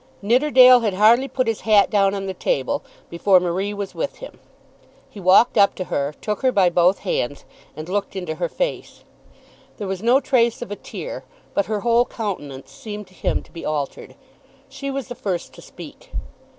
Nidderdale had hardly put his hat down on the table before Marie was with him. He walked up to her, took her by both hands, and looked into her face. There was no trace of a tear, but her whole countenance seemed to him to be altered. She was the first to speak.